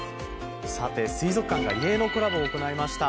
水族館が異例のコラボを行いました。